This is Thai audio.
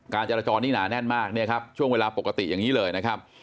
จรจรนี่หนาแน่นมากเนี่ยครับช่วงเวลาปกติอย่างนี้เลยนะครับ